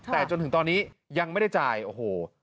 แต่จนถึงตอนนี้ยังไม่ได้จ่ายโอ้โห